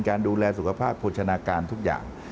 การดูแลสุขภาพโภชนาการทุกอย่าง